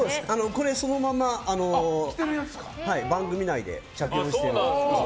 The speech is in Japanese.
これ、そのまま番組内で着用してるやつ。